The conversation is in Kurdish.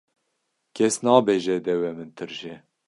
Kes nabêje dewê min tirş e.